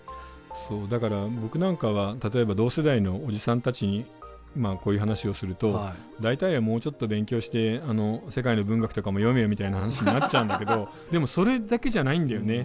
だから僕なんかは例えば同世代のおじさんたちにこういう話をすると大体はもうちょっと勉強して世界の文学とかも読めよみたいな話になっちゃうんだけどでもそれだけじゃないんだよね。